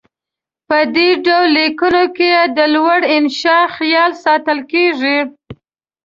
په دې ډول لیکنو کې د لوړې انشاء خیال ساتل کیږي.